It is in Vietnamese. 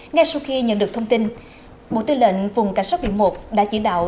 ngay sau khi nhận được thông tin bộ tư lệnh vùng cảnh sát biển một đã chỉ đạo